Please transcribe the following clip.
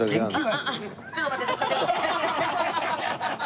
ちょっと待って徳さん。